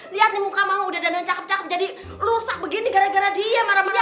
lihat nih muka mah udah dan cakep cakep jadi rusak begini gara gara dia marah marah